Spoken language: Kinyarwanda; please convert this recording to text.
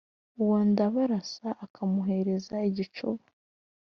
uwa ndábarása akamuhereza igicúba